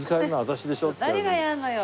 誰がやるのよ！